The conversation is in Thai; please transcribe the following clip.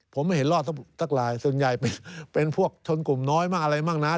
ผมไม่เห็นรอดสักลายส่วนใหญ่เป็นพวกชนกลุ่มน้อยบ้างอะไรบ้างนะ